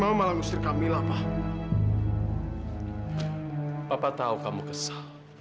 aku tahu kamu kesal